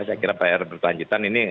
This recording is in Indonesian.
saya kira pr berkelanjutan ini